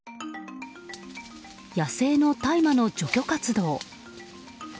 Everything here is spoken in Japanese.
野生の大麻の除去活動。